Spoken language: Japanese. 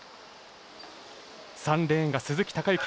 ３レーンが鈴木孝幸。